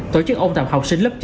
tổ chức ôn tập học sinh lớp chín